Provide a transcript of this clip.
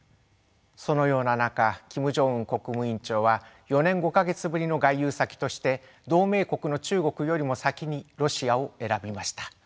そのような中キム・ジョンウン国務委員長は４年５か月ぶりの外遊先として同盟国の中国よりも先にロシアを選びました。